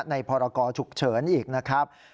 พรกรฉุกเฉินอีกนะครับ